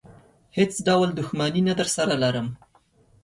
هېڅ ډول دښمني نه درسره لرم.